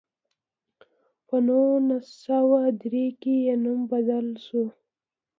په نولس سوه درې کې یې نوم بدل شو.